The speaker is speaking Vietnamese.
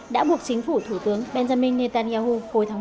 đã buộc chính phủ thủ tướng benjamin netanyahu hồi tháng một